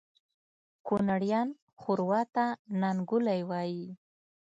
کونړیان ښوروا ته ننګولی وایي